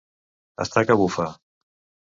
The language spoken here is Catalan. Estar que bufa.